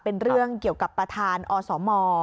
เป็นเรื่องเกี่ยวกับประธานอสม